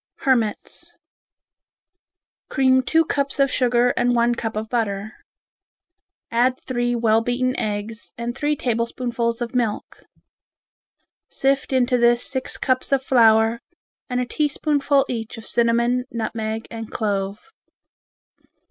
Hermits Cream two cups of sugar and one cup of butter. Add three well beaten eggs and three tablespoonfuls of milk. Sift into this six cups of flour and a teaspoonful each of cinnamon, nutmeg and clove.